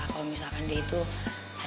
kalau misalkan dia mau ngejumpain sama aku